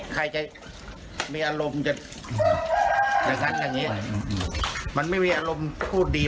ใครจะมีอารมณ์จะอย่างงี้มันไม่มีอารมณ์พูดดี